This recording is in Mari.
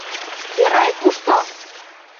Эрай кушто?